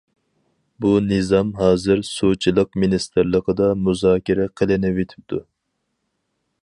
بۇ نىزام ھازىر سۇچىلىق مىنىستىرلىقىدا مۇزاكىرە قىلىنىۋېتىپتۇ.